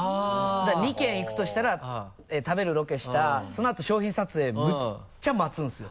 だから２軒行くとしたら食べるロケしたそのあと商品撮影むっちゃ待つんですよ。